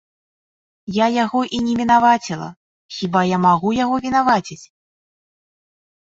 Я яго і не вінаваціла, хіба я магу яго вінаваціць?